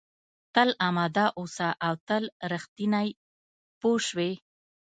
تل اماده اوسه او تل رښتینی پوه شوې!.